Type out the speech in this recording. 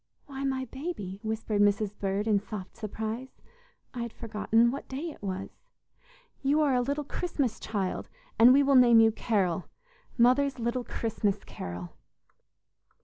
"Why, my baby," whispered Mrs. Bird in soft surprise, "I had forgotten what day it was. You are a little Christmas child, and we will name you 'Carol' mother's little Christmas Carol!"